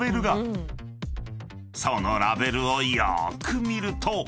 ［そのラベルをよーく見ると］